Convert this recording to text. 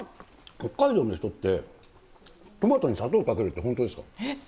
北海道の人って、トマトに砂糖かけるって本当ですか？